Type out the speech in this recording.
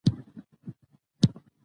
په غرور او په خندا دام ته نیژدې سو